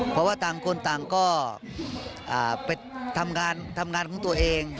เพราะว่าต่างคนต่างก็ไปทำงานของตัวเอง